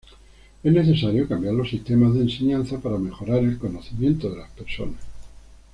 Es necesario cambiar los sistemas de enseñanza para mejorar el conocimiento de las personas.